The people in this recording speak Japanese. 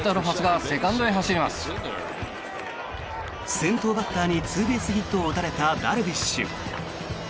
先頭バッターにツーベースヒットを打たれたダルビッシュ。